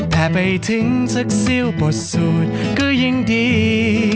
แต่ไปถึงสักซิวปศูนย์ก็ยังดี